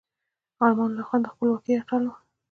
امان الله خان د خپلواکۍ اتل دی.